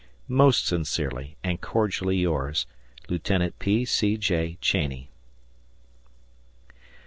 ... Most sincerely and cordially yours, Lieut. P. C. J. Cheney.